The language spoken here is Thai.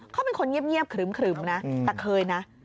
เขาเป็นคนเงียบขรึมนะแต่เคยนะ